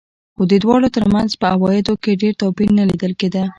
خو د دواړو ترمنځ په عوایدو کې ډېر توپیر نه لیدل کېده.